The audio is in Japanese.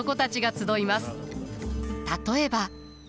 例えば。